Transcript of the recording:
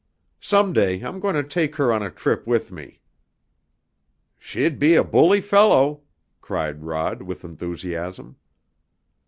"Some day I'm going to take her on a trip with me." "She'd be a bully fellow!" cried Rod with enthusiasm.